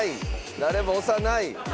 誰も押さない。